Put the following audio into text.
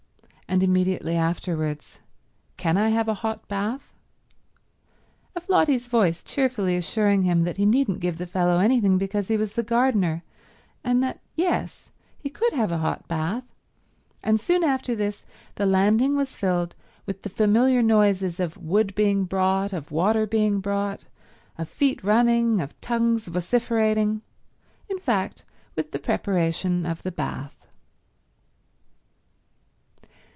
and immediately afterwards, "Can I have a hot bath?"—of Lotty's voice cheerfully assuring him that he needn't give the fellow anything because he was the gardener, and that yes, he could have a hot bath; and soon after this the landing was filled with the familiar noises of wood being brought, of water being brought, of feet running, of tongues vociferating— in fact, with the preparation of the bath.